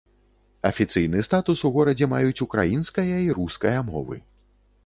Афіцыйны статус у горадзе маюць украінская і руская мовы.